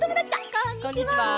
こんにちは！